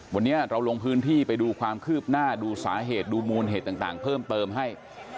วันนี้เราลงพื้นที่ไปดูความคืบหน้าดูสาเหตุดูมูลเหตุต่างเพิ่มเติมให้